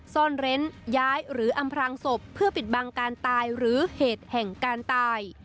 ซ่อนเร้นย้ายหรืออำพรางศพเพื่อปิดบังการตายหรือเหตุแห่งการตาย